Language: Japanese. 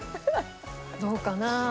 どうかな？